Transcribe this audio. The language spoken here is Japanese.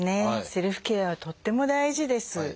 セルフケアはとっても大事です。